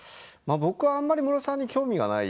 僕はあまりムロさんに興味がない。